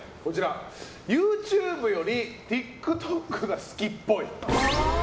ＹｏｕＴｕｂｅよりＴｉｋＴｏｋが好きっぽい。